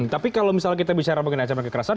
tapi kalau misalnya kita bicara mengenai ancaman kekerasan